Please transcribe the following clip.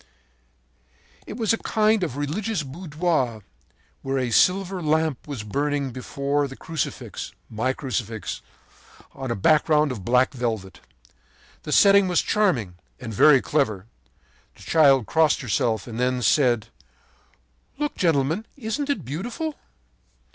“It was a kind of religious boudoir where a silver lamp was burning before the Crucifix, my Crucifix, on a background of black velvet. The setting was charming and very clever. The child crossed herself and then said: “'Look, gentlemen. Isn't it beautiful?'